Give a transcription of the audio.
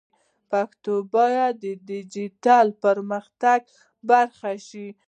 پښتو باید د ډیجیټل پرمختګ برخه شي.